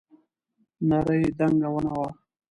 نرۍ دنګه ونه وه.